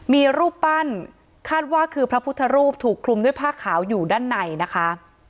มีรูปปั้นคาดว่าคือพระพุทธรูปถูกคลุมด้วยผ้าขาวอยู่ด้านในนะคะ